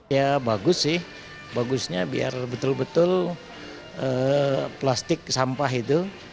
ya bagus sih bagusnya biar betul betul plastik sampah itu